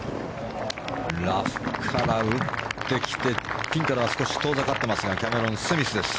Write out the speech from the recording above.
ラフから打ってきてピンからは少し遠ざかっていますがキャメロン・スミスです。